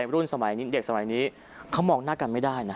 รุ่นสมัยนี้เด็กสมัยนี้เขามองหน้ากันไม่ได้นะ